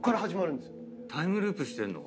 タイムループしてんの？